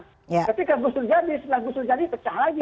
tapi kan busur jadis nah busur jadis pecah lagi